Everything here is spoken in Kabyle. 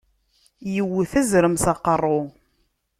Iwwet azrem s aqeṛṛu.